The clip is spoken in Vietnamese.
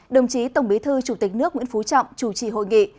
đồng chí tổng bí thư chủ tịch nước nguyễn phú trọng chủ trì hội nghị